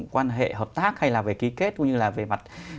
quan hệ hợp tác hay là về ký kết cũng như là về mặt